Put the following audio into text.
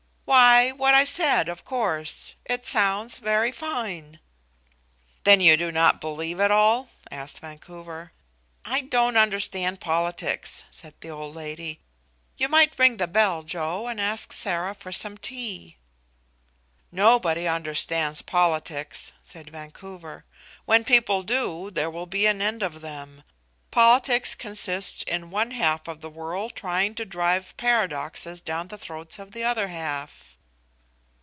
"Why, what I said, of course; it sounds very fine." "Then you do not believe it all?" asked Vancouver. "I don't understand politics," said the old lady. "You might ring the bell, Joe, and ask Sarah for some tea." "Nobody understands politics," said Vancouver. "When people do, there will be an end of them. Politics consist in one half of the world trying to drive paradoxes down the throats of the other half."